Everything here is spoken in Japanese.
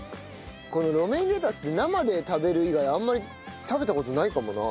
このロメインレタスって生で食べる以外あんまり食べた事ないかもな。